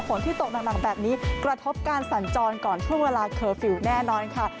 ที่ตกหนักแบบนี้กระทบการสัญจรก่อนช่วงเวลาเคอร์ฟิลล์แน่นอนค่ะ